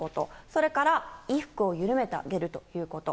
それから衣服を緩めてあげるということ。